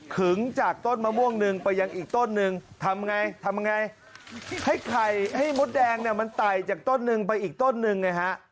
ึงจากต้นมะม่วงหนึ่งไปยังอีกต้นนึงทำไงทำไงให้ไข่ให้มดแดงเนี่ยมันไต่จากต้นหนึ่งไปอีกต้นหนึ่งไงฮะ